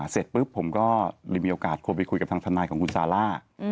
เสร็จปุ๊บผมก็เลยมีโอกาสโทรไปคุยกับทางทนายของคุณซาร่า